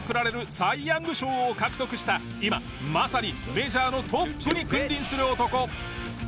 サイ・ヤング賞を獲得した今まさにメジャーのトップに君臨する男。